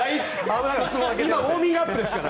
今ウォーミングアップですから。